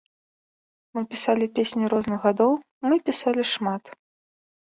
Мы пісалі песні розных гадоў, мы пісалі шмат.